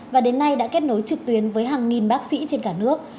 và đến nay đã kết nối trực tuyến với hàng nghìn bác sĩ trên cả nước